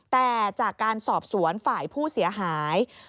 แต่จากการสอบสวนฝ่ายผู้เสียหาย